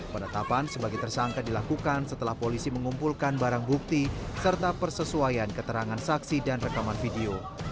penetapan sebagai tersangka dilakukan setelah polisi mengumpulkan barang bukti serta persesuaian keterangan saksi dan rekaman video